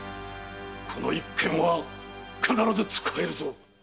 この一件は必ず使えるぞ！